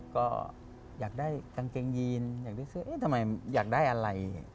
ก็อยากได้กางเกงยีนอยากได้เสื้อเอ๊ะทำไมอยากได้อะไร